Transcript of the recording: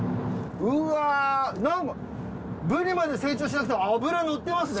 うわぁブリまで成長しなくても脂のってますね。